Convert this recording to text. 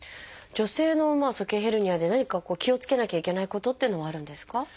女性の鼠径ヘルニアで何か気をつけなきゃいけないことっていうのはあるんですか？